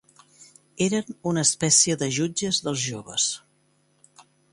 Eren una espècie de jutges dels joves.